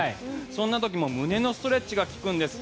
そんな時も胸のストレッチが効くんです。